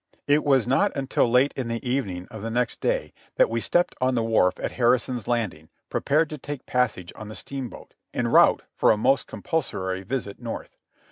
It was not until late in the evening of the next day that we stepped on the wharf at Harrison's Landing prepared to take passage on the steamboat, en route for a most compulsory visit North.